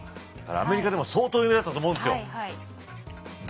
アメリカでも相当有名だったと思うんですよ。